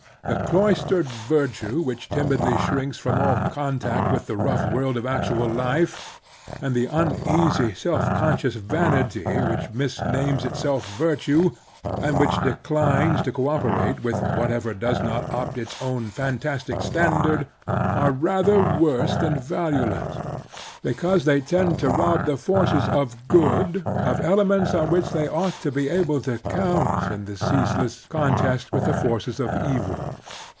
The cloistered virtue which timidly shrinks from all contact with the rough world of actual life, and the uneasy, self conscious vanity which misnames 44 The Strenuous Life itself virtue, and which declines to cooperate with whatever does not adopt its own fantastic stand ard, are rather worse than valueless, because they tend to rob the forces of good of elements on which they ought to be able to count in the ceaseless contest with the forces of evil.